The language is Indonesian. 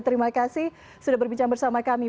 terima kasih sudah berbincang bersama kami